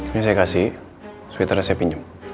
ini saya kasih sweaternya saya pinjem